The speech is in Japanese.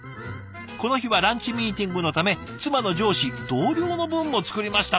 この日はランチミーティングのため妻の上司同僚の分も作りました」。